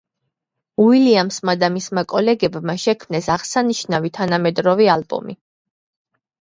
უილიამსმა და მისმა კოლეგებმა შექმნეს აღსანიშნავი თანამედროვე ალბომი.